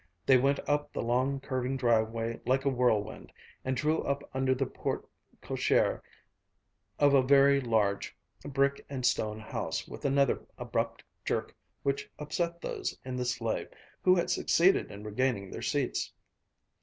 They went up the long, curving driveway like a whirlwind, and drew up under the porte cochère of a very large brick and stone house with another abrupt jerk which upset those in the sleigh who had succeeded in regaining their seats.